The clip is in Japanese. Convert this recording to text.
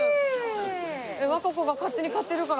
和歌子が勝手に買ってるから。